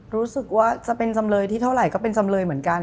รู้สึกว่าจะเป็นจำเลยที่เท่าไหร่ก็เป็นจำเลยเหมือนกัน